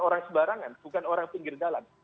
orang sebarangan bukan orang pinggir jalan